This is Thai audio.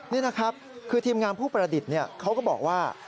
นี่นะครับคือทีมงานผู้ประดิษฐ์เขาก็บอกว่า